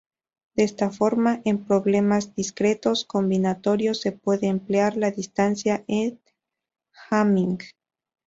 De esta forma, en problemas discretos combinatorios se puede emplear la distancia de Hamming.